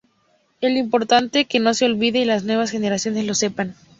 Es importante que no se olvide y las nuevas generaciones lo sepan.